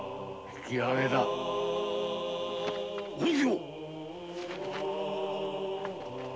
引き揚げい！